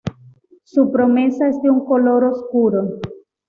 Su prosoma es de un color oscuro.